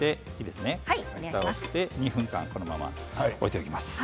２分間このまま置いておきます。